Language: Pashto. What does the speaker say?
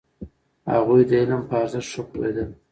هغوی د علم په ارزښت ښه پوهېدل.